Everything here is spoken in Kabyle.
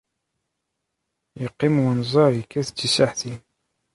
Yeqqim wenẓar yekkat d tisaɛtin.